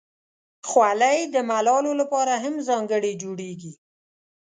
خولۍ د ملالو لپاره هم ځانګړې جوړیږي.